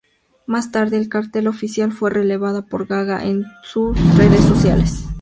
Más tarde, el cartel oficial fue revelada por Gaga en sus redes sociales.